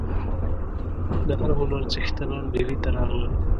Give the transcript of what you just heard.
د هر هنر څښتنان ډهلي ته راغلل.